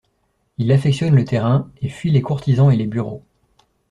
Il affectionne le terrain et fuit les courtisans et les bureaux.